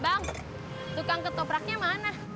bang tukang ketopraknya mana